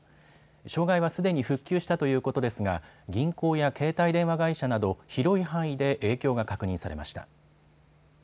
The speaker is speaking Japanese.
障害はすでに復旧したということですが銀行や携帯電話会社など広い範囲で影響が確認されました。